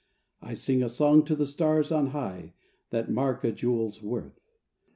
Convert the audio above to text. I sing a song to the stars on high That mark a jewel's worth.